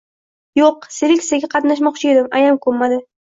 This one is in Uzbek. — Yoʼq, sektsiyasiga qatnashmoqchi edim, ayam koʼnmadi.